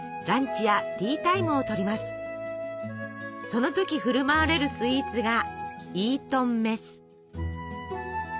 その時振る舞われるスイーツがイートンメス。